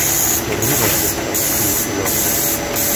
Terura estas tiu ĉi loko.